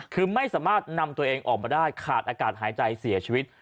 คือไม่สามารถนำตัวเองออกมาได้ขาดอากาศหายใจเสียชีวิต